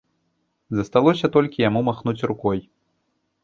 Засталося толькі яму махнуць рукой.